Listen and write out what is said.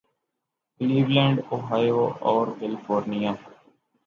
Cleveland Ohio Aruvi California